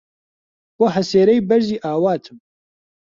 بۆ هەسێرەی بەرزی ئاواتم